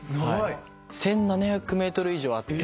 １，７００ｍ以上あって。